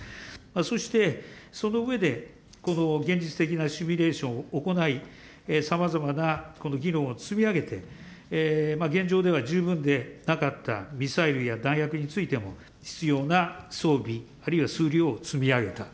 そして、その上で、この現実的なシミュレーションを行い、さまざまなこの議論を積み上げて、現状では十分でなかったミサイルや弾薬についても、必要な装備、あるいはあるいは数量を積み上げた。